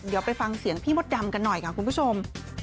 เดี๋ยวไปฟังเสียงพี่มดดำกันหน่อยค่ะคุณผู้ชม